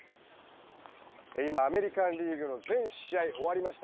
今、アメリカン・リーグの全試合終わりました。